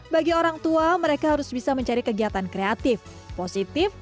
bagi orang tua mereka harus bisa mencari kegiatan kreatif positif